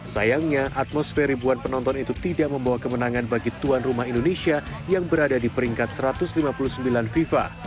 sayangnya atmosfer ribuan penonton itu tidak membawa kemenangan bagi tuan rumah indonesia yang berada di peringkat satu ratus lima puluh sembilan fifa